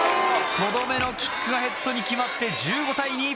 とどめのキックがヘッドに決まって１５対２。